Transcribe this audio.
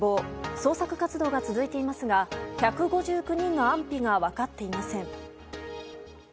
捜索活動が続いていますが１５９人の安否が分かっていません。